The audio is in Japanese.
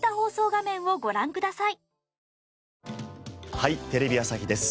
『はい！テレビ朝日です』